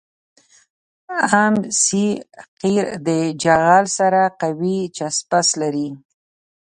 ام سي قیر د جغل سره قوي چسپش لري